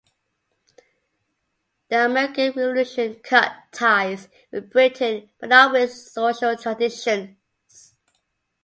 The American Revolution cut ties with Britain but not with its social traditions.